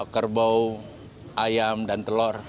kerbau ayam dan telur